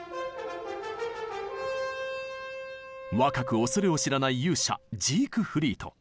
若く恐れを知らない勇者ジークフリート。